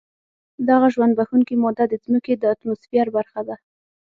دغه ژوند بښونکې ماده د ځمکې د اتموسفیر برخه ده.